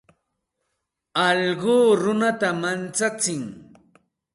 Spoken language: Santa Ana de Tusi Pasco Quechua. Alluqu runata manchatsin.